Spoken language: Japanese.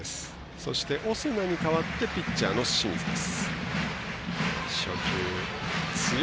そして、オスナに代わってピッチャーの清水です。